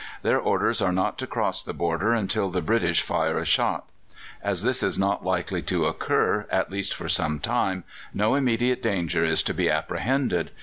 Their orders are not to cross the border until the British fire a shot. As this is not likely to occur, at least for some time, no immediate danger is to be apprehended....